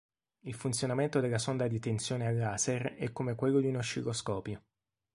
Il funzionamento della sonda di tensione a laser è come quello di un oscilloscopio.